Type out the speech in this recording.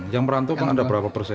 yang merantau kan ada berapa persen